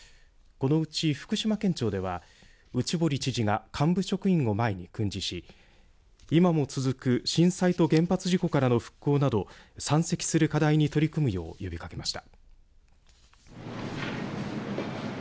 このうち、福島県庁では内堀知事が幹部職員を前に訓示し今も続く震災と原発事故からの復興など山積する課題に取り組むよう呼びかけました。